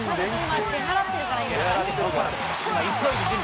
出払ってるから、今。